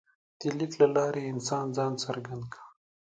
د لیک له لارې انسان ځان څرګند کړ.